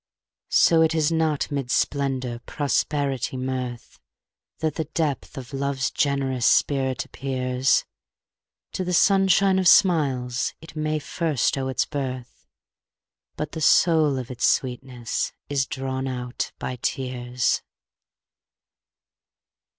So it is not mid splendor, prosperity, mirth, That the depth of Love's generous spirit appears; To the sunshine of smiles it may first owe its birth, But the soul of its sweetness is drawn out by tears.